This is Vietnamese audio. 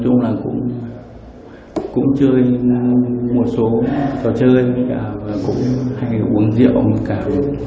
hãy uống rượu cà rượu